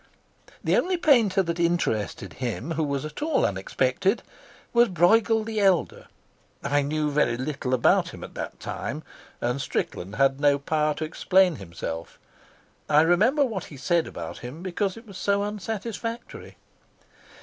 The only painter that interested him who was at all unexpected was Brueghel the Elder. I knew very little about him at that time, and Strickland had no power to explain himself. I remember what he said about him because it was so unsatisfactory.